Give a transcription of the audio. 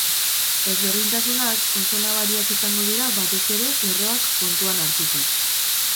Ezberdinatsunak oso nabariak izango dira batez ere, lerroak kontuan hartuta.